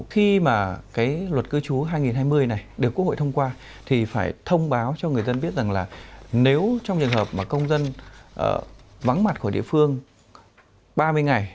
khi mà cái luật cư chú hai nghìn hai mươi này được quốc hội thông qua thì phải thông báo cho người dân biết rằng là nếu trong trường hợp mà công dân vắng mặt của địa phương ba mươi ngày